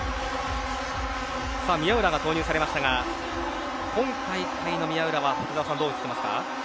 宮浦が投入されましたが今大会の宮浦は福澤さん、どう映っていますか。